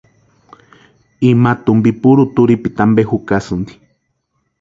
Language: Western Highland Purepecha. Ima tumpi puru turhipiti ampe jukasïnti.